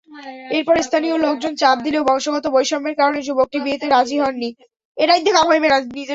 এরপর স্থানীয় লোকজন চাপ দিলেও বংশগত বৈষম্যের কারণে যুবকটি বিয়েতে রাজি হননি।